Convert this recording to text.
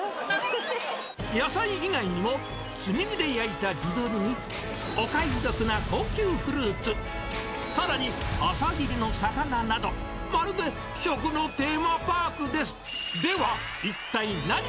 野菜以外にも炭火で焼いた地鶏に、お買い得な高級フルーツ、さらに朝切りの魚など、まるで食のテーマパークです。